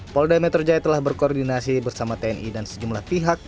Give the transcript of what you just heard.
polda metro jaya telah berkoordinasi bersama tni dan sejumlah pihak